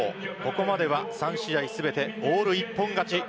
ここまでは３試合全てオール一本勝ち。